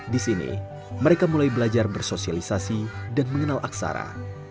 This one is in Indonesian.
di sini mereka mulai belajar bersosialisasi dan mengenal aksara